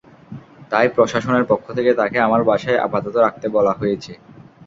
তাই প্রশাসনের পক্ষ থেকে তাকে আমার বাসায় আপাতত রাখতে বলা হয়েছে।